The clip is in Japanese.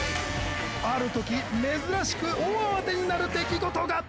ある時珍しく大慌てになる出来事が。